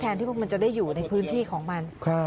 ที่พวกมันจะได้อยู่ในพื้นที่ของมัน